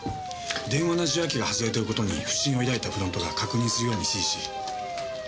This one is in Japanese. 電話の受話器が外れてる事に不審を抱いたフロントが確認するように指示しあの死体を。